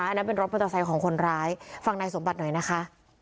อันนั้นเป็นรถมอเตอร์ไซค์ของคนร้ายฟังนายสมบัติหน่อยนะคะ